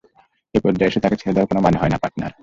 এই পর্যায়ে এসে তাকে ছেড়ে দেয়ার কোনো মানে হয় না, পার্টনার।